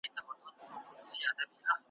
هلته ليري يوه ښار كي حكمران وو ,